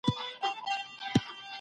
د ټولنپوهني د علم او تجربه اهمیت ډیر دی.